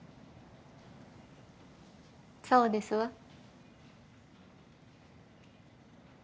そうですわ。